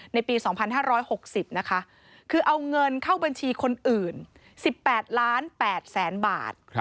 ในปี๒๕๖๐คือเอาเงินเข้าบัญชีคนอื่น๑๘ล้าน๘แสนบาท